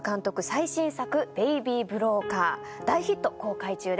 最新作『ベイビー・ブローカー』大ヒット公開中です。